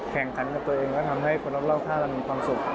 แข่งขันกับตัวเองก็ทำให้คุณพ่อแล้วท่านมีความสุข